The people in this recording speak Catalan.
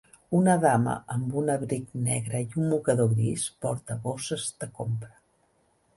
Una dama amb un abric negre i un mocador gris porta bosses de compra.